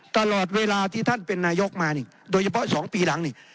ตลอดเวลาที่ท่านเป็นนายกมานี่โดยเฉพาะ๒ปีหลังนี่